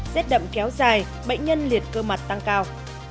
rét đậm kéo dài bệnh nhân liệt cơ mặt tăng cao